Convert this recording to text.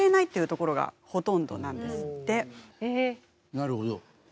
なるほど。